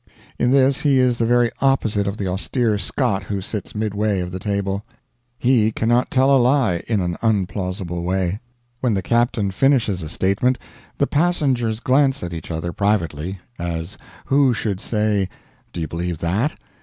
In this he is the very opposite of the austere Scot who sits midway of the table; he cannot tell a lie in an unplausible way. When the captain finishes a statement the passengers glance at each other privately, as who should say, "Do you believe that?"